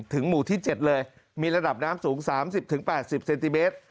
ถึงหมู่ที่เจ็ดเลยมีระดับน้ำสูงสามสิบถึงแปดสิบเซนติเบต